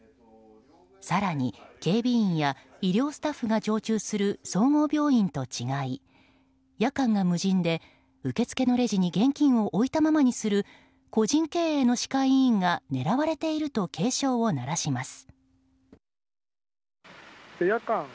更に、警備員や医療スタッフが常駐する総合病院と違い、夜間が無人で受付のレジに現金を置いたままにする個人経営の歯科医院が狙われていると警鐘を鳴らします。